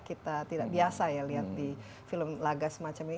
kita tidak biasa ya lihat di film laga semacam ini